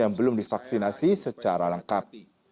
yang belum divaksinasi secara lengkap